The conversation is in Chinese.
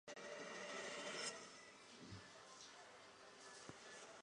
买卖一部分土地所有权附随井灶交易的土地所有权的转让契约也就是这样产生的。